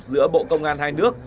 giữa bộ công an hai nước